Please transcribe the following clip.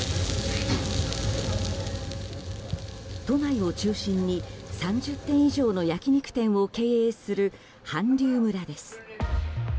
都内を中心に３０店以上の焼き肉店を経営する韓流村です。